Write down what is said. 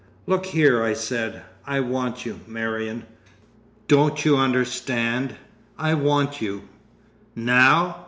"Look here," I said; "I want you, Marion. Don't you understand? I want you." "Now!"